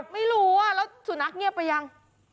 ไม่รู้ว่าแล้วสุนัขเงียบไปยัง